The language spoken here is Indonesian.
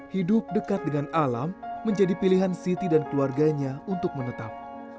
hidup dekat dengan alam menjadi pilihan siti dan keluarganya untuk menetap